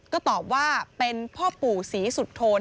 ก็ตอบว่าเป็นพ่อปู่ศรีสุโธน